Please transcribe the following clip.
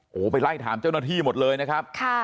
โอ้โหไปไล่ถามเจ้าหน้าที่หมดเลยนะครับ